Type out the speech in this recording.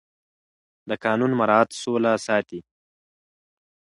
د قانون مراعت سوله ساتي